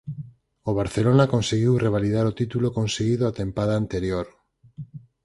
O Barcelona conseguiu revalidar o título conseguido a tempada anterior.